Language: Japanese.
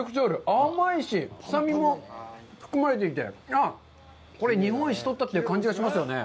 甘いし、酸味も含まれていて、これ日本一とったという感じがしますよね。